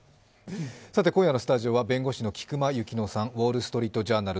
今夜のスタジオは弁護士の菊間千乃さん「ウォールストリート・ジャーナル」